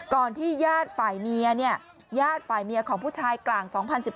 ก่อนที่ญาติฝ่ายเมียญาติฝ่ายเมียของผู้ชายกลาง๒๐๑๙